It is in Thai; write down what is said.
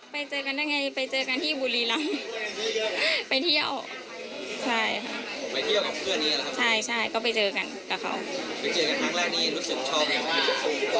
ไปเจอกันได้ไงไปเจอกันที่บุรีรัมไปเที่ยว